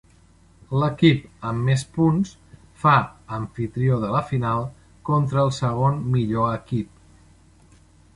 L'equip amb més punts fa amfitrió de la final contra el segon millor equip.